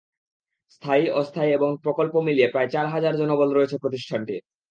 স্থায়ী, অস্থায়ী এবং প্রকল্প মিলিয়ে প্রায় চার হাজার জনবল রয়েছে প্রতিষ্ঠানটির।